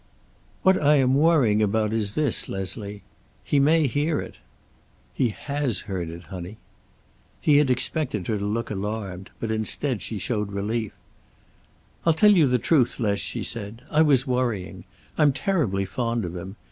"What I am worrying about is this, Leslie. He may hear it." "He has heard it, honey." He had expected her to look alarmed, but instead she showed relief. "I'll tell you the truth, Les," she said. "I was worrying. I'm terribly fond of him.